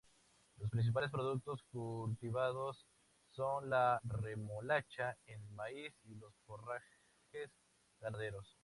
Los principales productos cultivados son la remolacha, el maíz y los forrajes ganaderos.